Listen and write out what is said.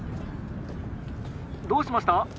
☎どうしました？